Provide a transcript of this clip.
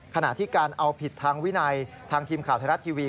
ขณะที่การเอาผิดทางวินัยทางทีมข่าวไทยรัฐทีวี